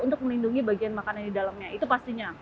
untuk melindungi bagian makanan di dalamnya itu pastinya